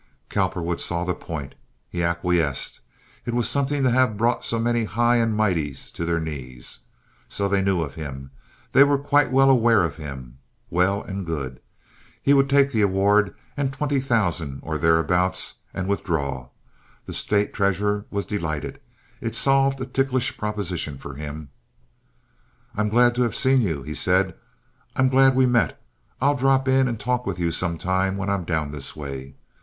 Cowperwood saw the point. He acquiesced. It was something to have brought so many high and mighties to their knees. So they knew of him! They were quite well aware of him! Well and good. He would take the award and twenty thousand or thereabouts and withdraw. The State treasurer was delighted. It solved a ticklish proposition for him. "I'm glad to have seen you," he said. "I'm glad we've met. I'll drop in and talk with you some time when I'm down this way.